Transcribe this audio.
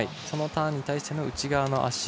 そのターンに対しての内側の足。